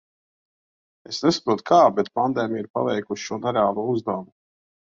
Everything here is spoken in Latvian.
Es nesaprotu, kā, bet pandēmija ir paveikusi šo nereālo uzdevumu.